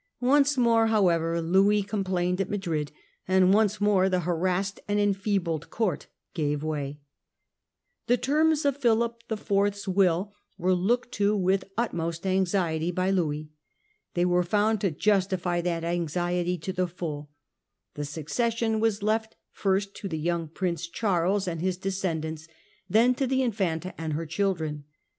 Once more however Louis complained at Madrid, and once more the harassed and enfeebled court gave way. 120 Louis and the Spanish Netherlands. 1665. The terms of Philip I V.'s will were looked to with the utmost anxiety by Louis. They were found to justify that WiIlof anxiety to the full. The succession was left Philip IV. fi rs t to the young Prince Charles and his de scendants, then to the Infanta and her children.